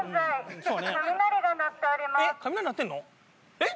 えっ？